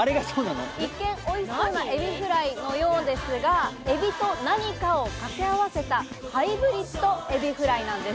一見おいしそうなエビフライのようですがエビと何かをかけあわせたハイブリッドエビフライなんです。